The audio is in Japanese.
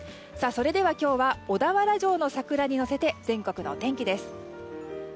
それでは今日は小田原城の桜にのせて全国のお天気です。